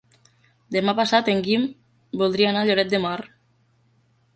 Demà passat en Guim voldria anar a Lloret de Mar.